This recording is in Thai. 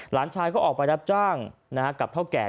หลานชายก็ออกไปรับจ้างกับเท่าแก่